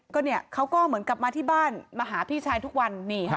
ก็เนี่ยเขาก็เหมือนกลับมาที่บ้านมาหาพี่ชายทุกวัน